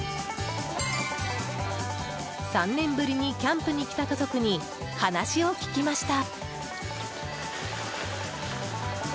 ３年ぶりにキャンプに来た家族に話を聞きました。